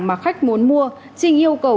mà khách muốn mua trinh yêu cầu